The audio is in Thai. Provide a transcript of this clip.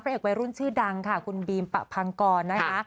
เอกวัยรุ่นชื่อดังค่ะคุณบีมปะพังกรนะคะ